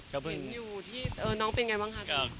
เห็นอยู่ที่น้องเป็นไงบ้างคะ